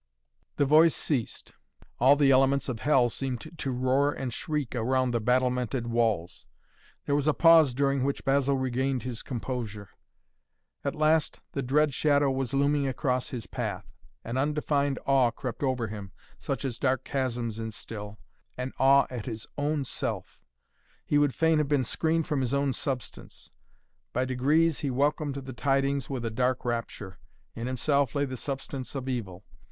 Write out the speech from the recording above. The voice ceased. All the elements of hell seemed to roar and shriek around the battlemented walls. There was a pause during which Basil regained his composure. At last the dread shadow was looming across his path. An undefined awe crept over him, such as dark chasms instill; an awe at his own self. He would fain have been screened from his own substance. By degrees he welcomed the tidings with a dark rapture. In himself lay the substance of Evil.